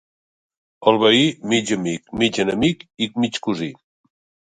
El veí, mig amic, mig enemic i mig cosí.